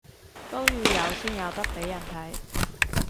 都要有先有得畀人睇